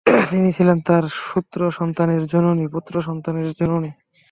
তিনি ছিলেন চার পুত্র সন্তানের জননী।